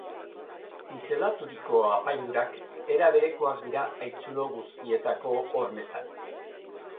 Zizelaturiko apaindurak era berekoak dira haitzulo guztietako hormetan.